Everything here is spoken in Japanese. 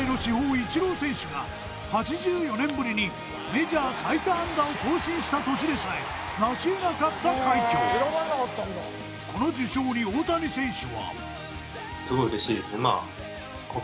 イチロー選手が８４年ぶりにメジャー最多安打を更新した年でさえなしえなかった快挙この受賞に大谷選手はです